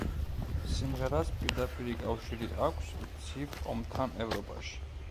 სიმღერას პირდაპირი კავშირი აქვს ცივ ომთან ევროპაში.